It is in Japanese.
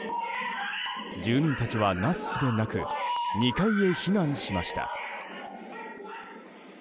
住民たちは、なすすべなく２階へ避難しました。